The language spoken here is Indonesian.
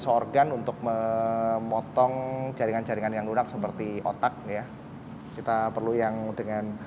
sorgan untuk memotong jaringan jaringan yang lunak seperti otak ya kita perlu yang dengan